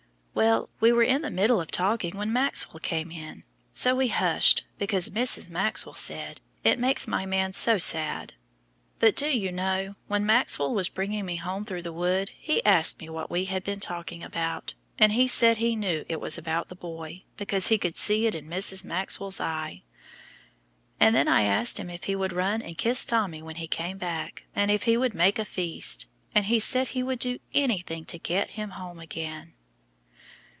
"Well, we were in the middle of talking when Maxwell came in, so we hushed, because Mrs. Maxwell said, 'It makes my man so sad'; but, do you know, when Maxwell was bringing me home through the wood he asked me what we had been talking about, and he said he knew it was about the boy because he could see it in Mrs. Maxwell's eye. And then I asked him if he would run and kiss Tommy when he came back, and if he would make a feast; and he said he would do anything to get him home again."